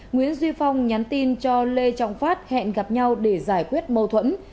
nguyễn duy phong nhắn tin cho lê trọng phát hẹn gặp nhau để giải quyết mâu thuẫn